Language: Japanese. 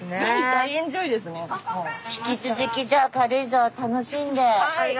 引き続きじゃあ軽井沢楽しんで。